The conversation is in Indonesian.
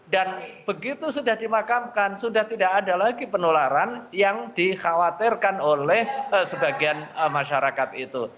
dan begitu sudah dimakamkan sudah tidak ada lagi penularan yang dikhawatirkan oleh sebagian masyarakat itu